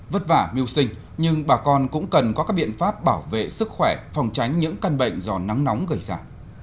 vất vả mưu sinh nhưng bà con cũng cần có các biện pháp bảo vệ sức khỏe phòng tránh những căn bệnh do nắng nóng gây ra